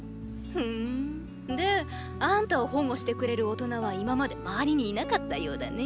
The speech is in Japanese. ふぅんであんたを保護してくれる大人は今まで周りにいなかったようだね。